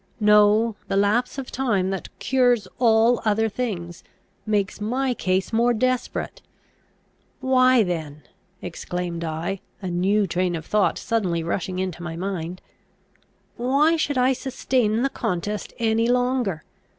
No; the lapse of time, that cures all other things, makes my case more desperate! Why then," exclaimed I, a new train of thought suddenly rushing into my mind, "why should I sustain the contest any longer?